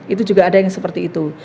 itu juga ada yang seperti itu